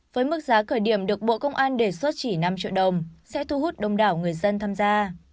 với mức giá khởi điểm được bộ công an đề xuất chỉ năm triệu đồng sẽ thu hút đông đảo người dân tham gia